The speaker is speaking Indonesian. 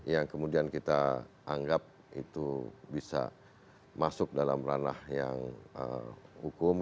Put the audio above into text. yang kemudian kita anggap itu bisa masuk dalam ranah yang hukum